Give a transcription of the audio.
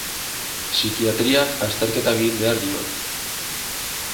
Psikiatriak azterketa egin behar dio.